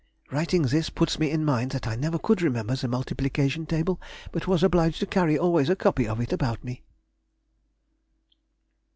Writing this, puts me in mind that I never could remember the multiplication table, but was obliged to carry always a copy of it about me.